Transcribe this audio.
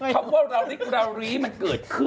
คำว่าราลิกราวรีมันเกิดขึ้น